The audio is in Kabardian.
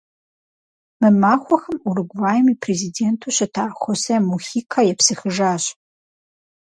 Мы махуэхэм Уругваим и президенту щыта Хосе Мухикэ епсыхыжащ.